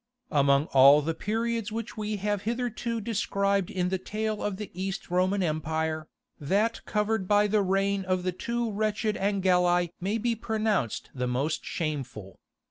Among all the periods which we have hitherto described in the tale of the East Roman Empire, that covered by the reign of the two wretched Angeli may be pronounced the most shameful.